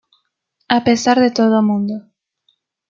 A pesar de todo mundo.